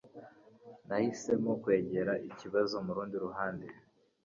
Nahisemo kwegera ikibazo murundi ruhande